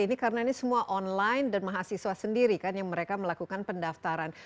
ini karena ini semua online dan mahasiswa sendiri kan yang mereka melakukan pendaftaran